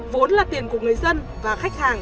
vốn là tiền của người dân và khách hàng